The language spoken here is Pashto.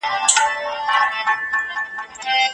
آیا ته د خپل باطن په سمندر کې ډوب یې؟